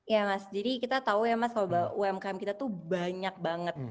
ya mas jadi kita tahu ya mas kalau umkm kita tuh banyak banget